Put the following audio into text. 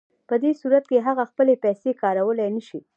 په دې صورت کې هغه خپلې پیسې کارولی نشي